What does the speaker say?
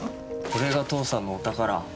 これが父さんのお宝。